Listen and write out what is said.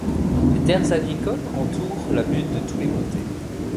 Des terres agricoles entourent la butte de tous les côtés.